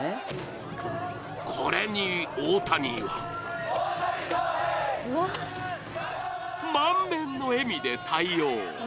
これに大谷は満面の笑みで対応。